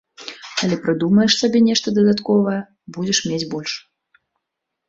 Калі прыдумаеш сабе нешта дадатковае, будзеш мець больш.